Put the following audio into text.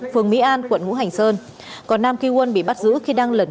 phường mỹ an quận ngũ hành sơn còn nam ki won bị bắt giữ khi đang lẩn